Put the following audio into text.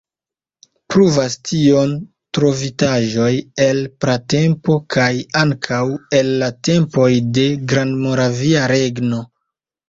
Pruvas tion trovitaĵoj el pratempo kaj ankaŭ el la tempoj de Grandmoravia regno.